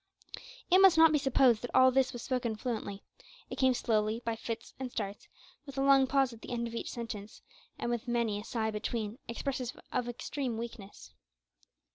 It must not be supposed that all this was spoken fluently. It came slowly, by fits and starts, with a long pause at the end of each sentence, and with many a sigh between, expressive of extreme weakness.